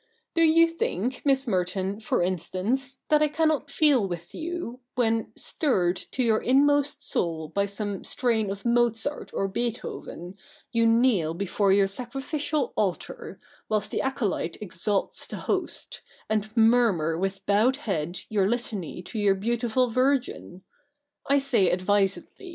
Do you think, Miss Merton, for instance, that I cannot feel with you, when, stirred to your inmost soul by some strain of Mozart or Beethoven, you kneel before your sacrificial altar, whilst the acolyte exalts the Host, and murmur with bowed head your litany to your beautiful Virgin ? I say advisedly.